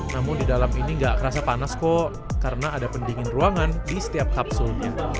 namun di dalam ini nggak kerasa panas kok karena ada pendingin ruangan di setiap kapsulnya